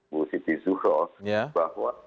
bu siti zuhroh bahwa